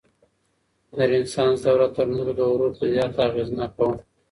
د رنسانس دوره تر نورو دورو زياته اغېزناکه وه.